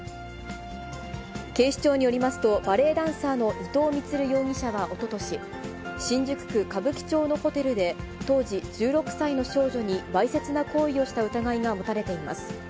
警視庁によりますと、バレエダンサーの伊藤充容疑者はおととし、新宿区歌舞伎町のホテルで、当時１６歳の少女にわいせつな行為をした疑いが持たれています。